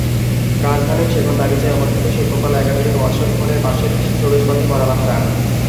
রাজধানীর সেগুনবাগিচায় অবস্থিত শিল্পকলা একাডেমির মৎস্য ভবনের পাশের প্রবেশপথে কড়া পাহারা।